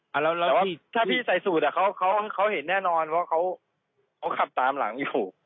แต่ว่าพี่ใส่สูตรอะเค้าเห็นแน่นอนเพราะว่าเค้าขับตามหลังอยู่